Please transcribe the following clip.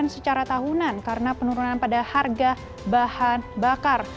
secara tahunan karena penurunan pada harga bahan bakar